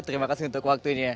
terima kasih untuk waktunya